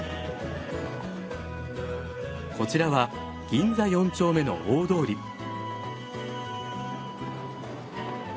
こちらは銀座４丁目の大通り。